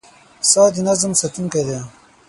• ساعت د نظم ساتونکی دی.